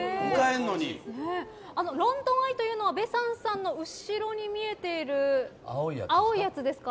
ロンドン・アイというのはベサンさんの後ろに見えている青いやつですか？